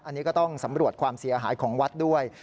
อันนี้ก็ต้องสำรวจความเสียหายของวัดด้วย